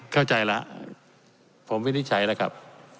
เข้าใจแล้วผมไม่ได้ใช้แล้วครับ